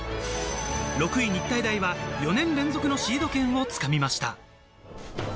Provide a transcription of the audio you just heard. ６位・日体大は４年連続のシード権をつかみました。